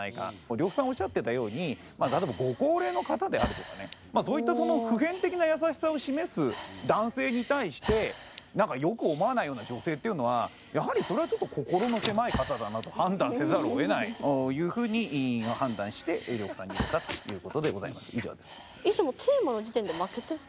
呂布さんおっしゃってたように例えばご高齢の方であるとかねそういった普遍的な優しさを示す男性に対して良く思わないような女性っていうのはやはりそれはちょっと心の狭い方だなと判断せざるを得ないという風に判断して呂布さんに入れたという事でございます。